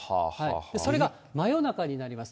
それが真夜中になります。